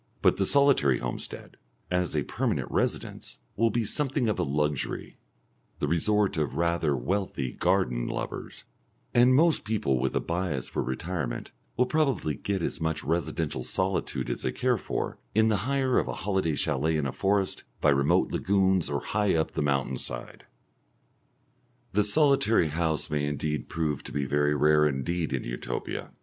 But the solitary homestead, as a permanent residence, will be something of a luxury the resort of rather wealthy garden lovers; and most people with a bias for retirement will probably get as much residential solitude as they care for in the hire of a holiday chalet in a forest, by remote lagoons or high up the mountain side. The solitary house may indeed prove to be very rare indeed in Utopia.